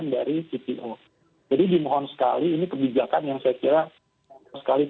dan juga ada ekstrem buah segar